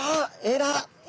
えら。